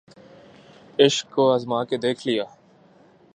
عشق کو آزما کے دیکھ لیا